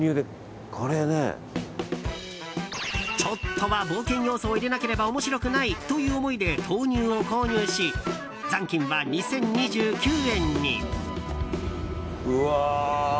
ちょっとは冒険要素を入れなくては面白くないという思いで豆乳を購入し残金は２０２９円に。